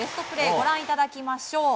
ご覧いただきましょう。